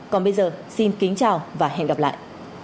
còn bây giờ xin kính chào và hẹn gặp lại